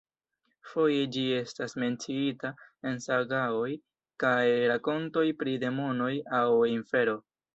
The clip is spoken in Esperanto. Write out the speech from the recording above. Foje ĝi estas menciita en sagaoj kaj rakontoj pri demonoj aŭ infero.